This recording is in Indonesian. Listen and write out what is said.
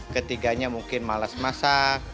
ketiganya mungkin males masak